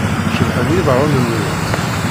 Cebḥen yiḍarren-nwent.